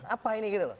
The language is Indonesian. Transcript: apa ini gitu loh